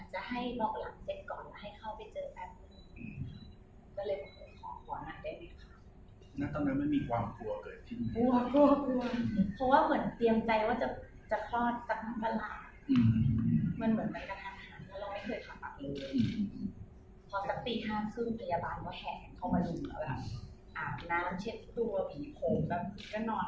มันเหมือนไม่ได้รับคำถามเราไม่เคยถามคำถามอื่นพอสักปีห้าครึ่งพยาบาลก็แห่งเข้ามาหลุมแล้วอาบน้ำเช็ดตัวผิดโขมแบบนี้ก็นอน